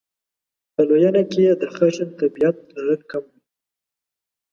په لویېنه کې یې د خشن طبعیت لرل کم وي.